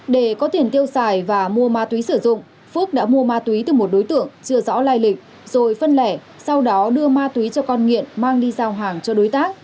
để có tiền tiêu xài và mua ma túy sử dụng phước đã mua ma túy từ một đối tượng chưa rõ lai lịch rồi phân lẻ sau đó đưa ma túy cho con nghiện mang đi giao hàng cho đối tác